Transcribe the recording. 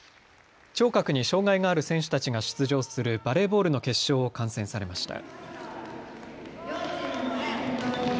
聴覚に障害がある選手たちが出場するバレーボールの決勝を観戦されました。